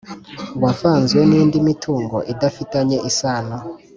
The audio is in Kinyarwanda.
wavanzwe n indi mitungo idafitanye isano